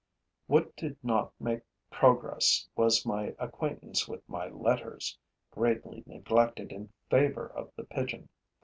What did not make progress was my acquaintance with my letters, greatly neglected in favor of the pigeon.